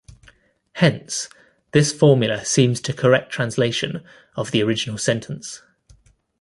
Hence, this formula seems a correct translation of the original sentence.